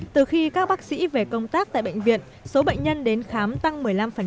từ khi các bác sĩ về công tác tại bệnh viện số bệnh nhân đến khám tăng một mươi năm